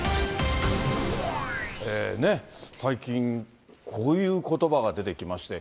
ねえ、最近、こういうことばが出てきまして。